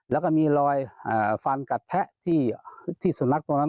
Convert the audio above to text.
แล้วก็มีรอยฟันกัดแทะที่สุนัขตรงนั้น